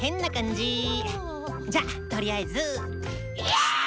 じゃとりあえず。